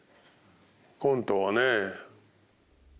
コントはね。